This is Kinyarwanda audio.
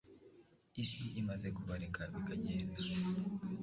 isi imaze kubareka bakagenda.